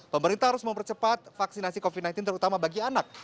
pemerintah harus mempercepat vaksinasi covid sembilan belas terutama bagi anak